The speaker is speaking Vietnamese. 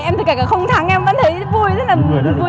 em thấy kể cả không thắng em vẫn thấy vui rất là vui mừng